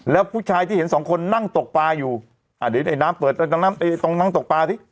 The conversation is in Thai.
แล้วผู้ชายที่เห็นสองคนนั่งตกปลาอยู่อ่าเดี๋ยวน้ำเปิดต้องนั่งตกปลาสิ